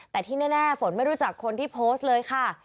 แต่ที่แน่ฝนไม่รู้จักคนที่โพสต์เลยค่ะ